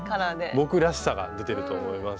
僕らしさが出てると思います。